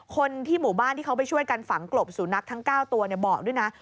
คนที่หมู่บ้านที่เขาไปช่วยกันฝังกลบสุนัขทั้ง๙ตัวบอกด้วยนะ